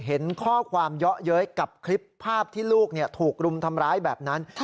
เห็นข้อความเยอะเย้ยกับคลิปภาพที่ลูกถูกรุมทำร้ายแบบนั้น